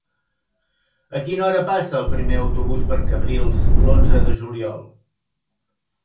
A quina hora passa el primer autobús per Cabrils l'onze de juliol?